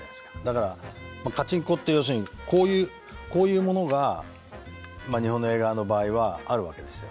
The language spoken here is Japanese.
だからカチンコって要するにこういうものが日本の映画の場合はあるわけですよ。